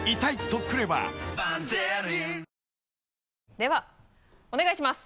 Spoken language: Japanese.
ではお願いします。